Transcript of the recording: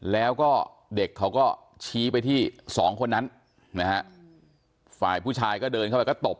แล้วก็เด็กเขาก็ชี้ไปที่สองคนนั้นนะฮะฝ่ายผู้ชายก็เดินเข้าไปก็ตบ